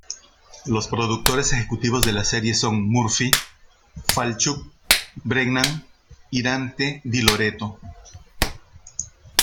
Los productores ejecutivos de la serie son Murphy, Falchuk, Brennan, y Dante Di Loreto.